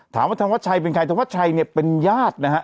ถามว่าธวัชชัยเป็นใครธวัชชัยเนี่ยเป็นญาตินะฮะ